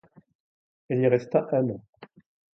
Elle y resta un an.